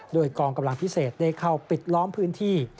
โดยกองกำลังพิเศษได้เข้าปิดล้อมพื้นที่